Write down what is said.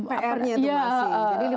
pr nya itu masih